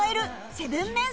７ＭＥＮ